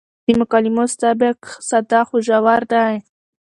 د مکالمو سبک ساده خو ژور دی.